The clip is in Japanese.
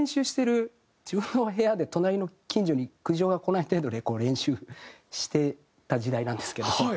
自分の部屋で隣の近所に苦情がこない程度で練習してた時代なんですけど。